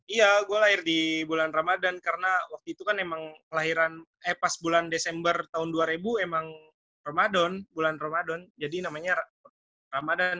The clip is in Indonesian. iya gue lahir di bulan ramadan karena waktu itu kan emang lahiran eh pas bulan desember tahun dua ribu emang ramadan bulan ramadan jadi namanya ramadan